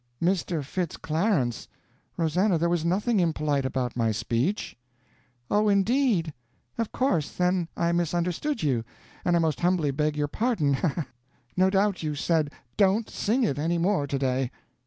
"Mister Fitz Clarence! Rosannah, there was nothing impolite about my speech." "Oh, indeed! Of course, then, I misunderstood you, and I most humbly beg your pardon, ha ha ha! No doubt you said, 'Don't sing it any more to day.'"